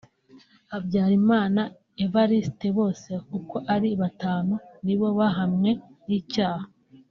Habyarimana Evariste bose uko ari batanu nibo bahamwe n’icyaha